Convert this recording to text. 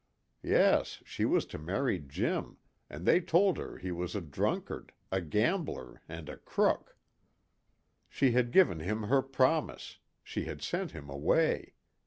Yes, she was to marry Jim, and they told her he was a drunkard, a gambler, and a "crook." She had given him her promise; she had sent him away.